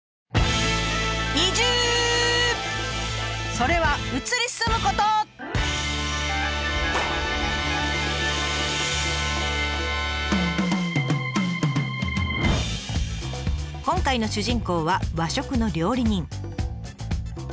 それは今回の主人公は和食の料理人。